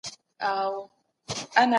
عامه بحث ورو ورو زیاتېږي.